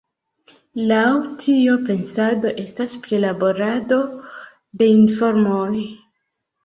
Laŭ tio la pensado estas prilaborado de informoj.